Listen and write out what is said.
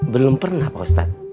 belum pernah pak ustadz